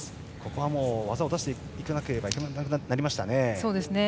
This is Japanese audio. ここは技を出していかなければいけなくなりました。